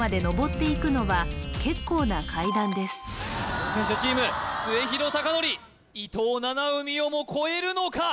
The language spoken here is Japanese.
挑戦者チーム末廣隆典伊藤七海をも超えるのか？